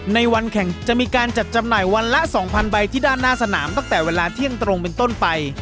ในวันแข่งจะมีการจัดจำหน่ายวันละ๒๐๐ใบที่ด้านหน้าสนามตั้งแต่เวลาเที่ยงตรงเป็นต้นไป